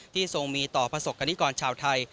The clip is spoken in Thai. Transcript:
ทรงมีต่อประสบกรณิกรชาวไทย